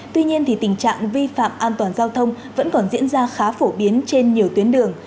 tuy nhiên tình trạng vi phạm an toàn giao thông vẫn còn diễn ra khá phổ biến trên nhiều tuyến đường